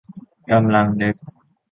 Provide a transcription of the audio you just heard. กำลังนึก